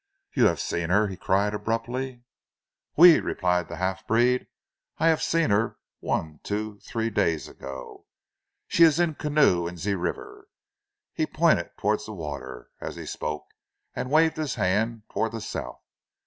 "You have seen her?" he cried abruptly. "Oui!" replied the half breed. "I haf seen her, one, two, tree days ago. She is in canoe on zee river," he pointed towards the water as he spoke, and waved his hand towards the south.